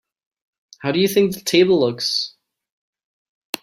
How do you think the table looks?